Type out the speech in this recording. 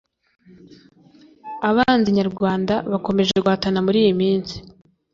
Abanzi nyarwanda bakomeje guhatana muriyi minsi